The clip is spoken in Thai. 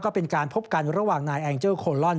ก็เป็นการพบกันระหว่างนายแองเจอร์โคลอน